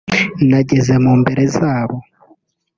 nageze mu mbere zabo…